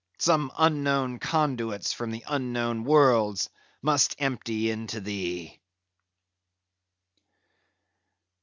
Some unknown conduits from the unknown worlds must empty into thee!"